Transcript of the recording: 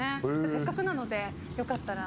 せっかくなのでよかったら。